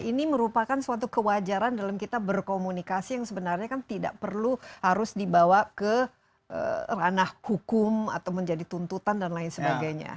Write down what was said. ini merupakan suatu kewajaran dalam kita berkomunikasi yang sebenarnya kan tidak perlu harus dibawa ke ranah hukum atau menjadi tuntutan dan lain sebagainya